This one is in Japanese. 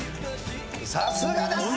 さすがです。